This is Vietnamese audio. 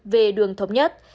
về đường thống nhất